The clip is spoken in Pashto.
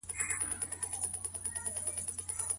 طلاق د چا له اساسي غوښتنو څخه دی؟